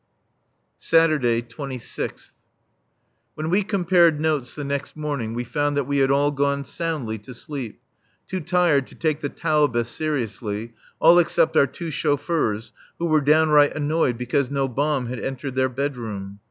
[Saturday, 26th.] When we compared notes the next morning we found that we had all gone soundly to sleep, too tired to take the Taube seriously, all except our two chauffeurs, who were downright annoyed because no bomb had entered their bedroom.